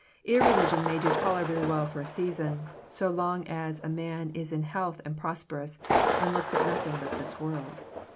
Irreligion may do tolerably well for a season, so long as a man is in health and prosperous, and looks at nothing but this world.